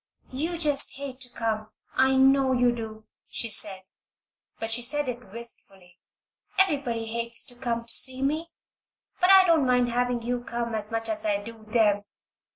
"You just hate to come I know you do!" she said, but she said it wistfully. "Everybody hates to come to see me. But I don't mind having you come as much as I do them.